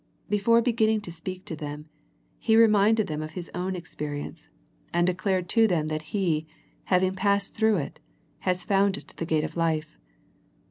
Before beginning to speak to them, He re minded them of His own experience ; and de clared to them that He, having passed through it, has found it the gate of life.